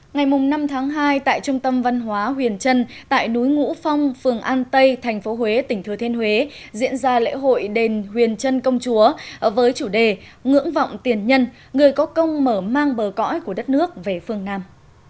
ngày năm tháng hai tại trung tâm văn hóa huyền trân tại núi ngũ phong phường an tây tp huế tỉnh thừa thiên huế diễn ra lễ hội đền huyền trân công chúa với chủ đề ngưỡng vọng tiền nhân người có công mở mang bờ cõi của đất nước về phương nam